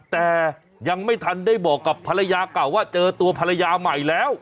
แต่ยังไม่ทันได้บอกกับภรรยาเก่าว่าเจอตัวภรรยาใหม่แล้ว